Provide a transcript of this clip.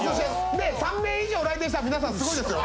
で３名以上で来店したらみなさんすごいですよ。